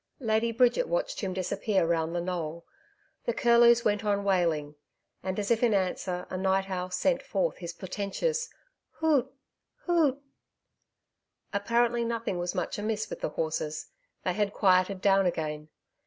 Lady Bridget watched him disappear round the knoll. The curlews went on wailing, and as if in answer a night owl sent forth his portentous HOOT HOOT!... Apparently nothing was much amiss with the horses; they had quieted down again.